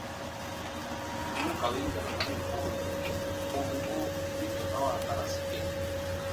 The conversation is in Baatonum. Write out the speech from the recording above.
Tɔnu ka win yarumani kpuro, ù n gu, wi tɔnawa ba ra sike.